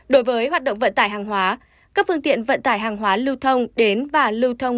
đối với hoạt động vận tải hàng hóa các phương tiện vận tải hàng hóa lưu thông đến và lưu thông